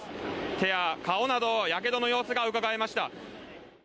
手や顔などやけどの様子がうかがえました。